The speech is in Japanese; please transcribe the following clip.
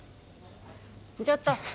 ちょっと！